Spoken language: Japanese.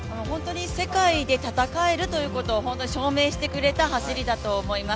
世界で戦えることを証明してくれた走りだと思います。